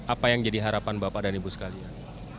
apa yang jadi harapan bapak dan ibu sekalian